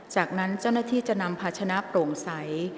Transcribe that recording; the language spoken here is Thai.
จากนั้นเจ้าหน้าที่จะนำภาชนะโปร่งใส